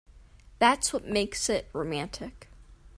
That's what makes it romantic.